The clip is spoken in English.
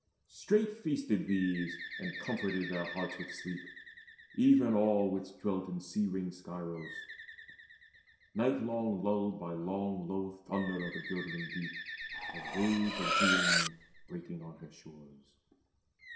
Straight feasted these, And comforted their hearts with sleep, even all Which dwelt in sea ringed Scyros, nightlong lulled By long low thunder of the girdling deep, Of waves Aegean breaking on her shores.